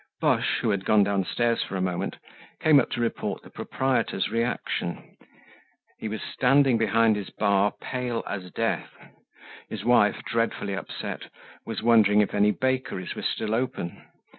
Boche, who had gone downstairs for a moment, came up to report the proprietor's reaction. He was standing behind his bar, pale as death. His wife, dreadfully upset, was wondering if any bakeries were still open.